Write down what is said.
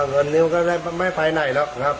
เงินนิ้วก็ไม่ไปไหนหรอกครับ